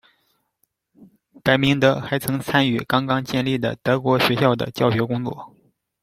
白明德还曾参加刚刚建立的德国学校的教学工作。